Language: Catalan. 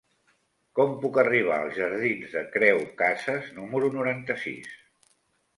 Com puc arribar als jardins de Creu Casas número noranta-sis?